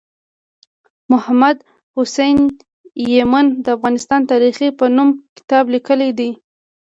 محمد حسین یمین د افغانستان تاریخي په نوم کتاب لیکلی دی